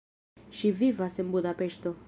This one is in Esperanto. Ŝi vivas en Budapeŝto.